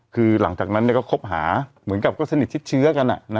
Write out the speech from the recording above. คือหลังจากนั้นก็คบหาเหมือนกับก็สนิทชิดเชื้อกัน